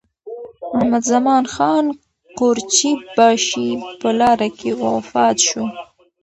محمدزمان خان قورچي باشي په لاره کې وفات شو.